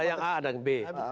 ada yang a dan yang b